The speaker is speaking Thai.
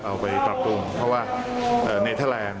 เอาไปปรับปรุงเพราะว่าเนเทอร์แลนด์